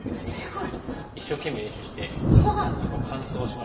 すごい！一生懸命練習してなんとか完走はしましたけど。